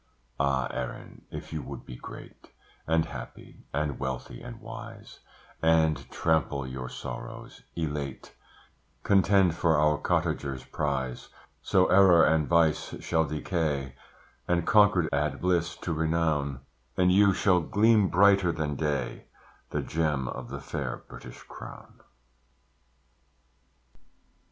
Ah! Erin, if you would be great, And happy, and wealthy, and wise, And trample your sorrows, elate, Contend for our cottager's prize; So error and vice shall decay, And concord add bliss to renown, And you shall gleam brighter than day, The gem of the fair British Crown.